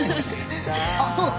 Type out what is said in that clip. あっそうだ！